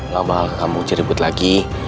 lang bakal ke kampung cirebut lagi